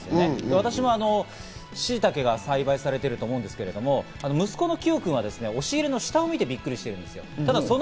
私もしいたけが栽培されてると思うんですけど息子の清君は押入れの下を見てびっくりしている。